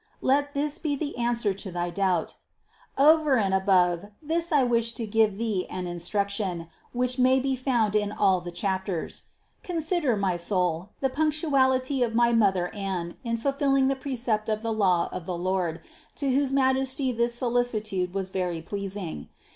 360. Let this be the answer to thy doubt: over and THE CONCEPTION 289 above this I wish to give thee an instruction, which may be found in all the chapters. Consider, my soul the punctuality of my mother Anne in fulfilling the precept of the law of the Lord, to whose Majesty this solicitude was very pleasing.